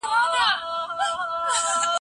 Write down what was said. د ساز رګ کې یې شرنګی د پایزیب ځغلي